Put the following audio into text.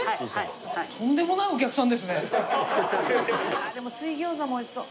ああでも水餃子も美味しそう。